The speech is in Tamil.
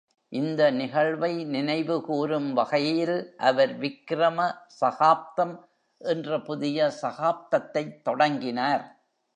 இந்த நிகழ்வை நினைவுகூரும் வகையில், அவர் "விக்ரம சகாப்தம்" என்ற புதிய சகாப்தத்தைத் தொடங்கினார்.